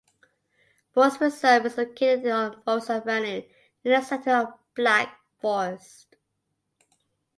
Forest Reserve is located on Forest Avenue near the centre of Black Forest.